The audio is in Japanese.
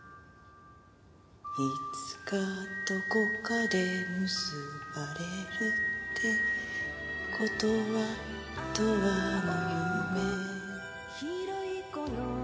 「いつかどこかで結ばれるってことは永遠の夢」『待つわ』